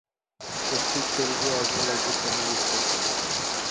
They speak Telugu as well as Tamil esp.